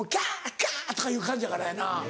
きゃ！とかいう感じやからやな。